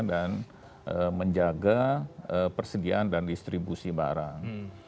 dan menjaga persediaan dan distribusi barang